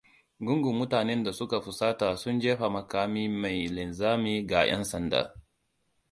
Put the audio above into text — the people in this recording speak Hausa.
Gungun mutanen da suka fusata sun jefa makami mai linzami ga 'yan sanda.